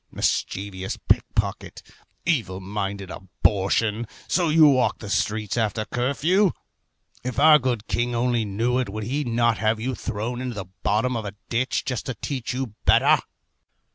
Mischievous pick pocket, evil minded abortion, so you walk the streets after curfew? If our good king only knew it, would he not have you thrown into the bottom of a ditch, just to teach you better?